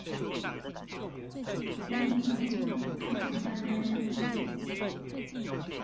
吳怡農和蔣萬安